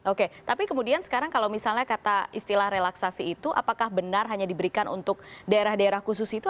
oke tapi kemudian sekarang kalau misalnya kata istilah relaksasi itu apakah benar hanya diberikan untuk daerah daerah khusus itu